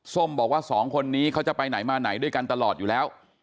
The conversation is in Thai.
ส้มบอกว่าสองคนนี้เขาจะไปไหนมาไหนด้วยกันตลอดอยู่แล้ว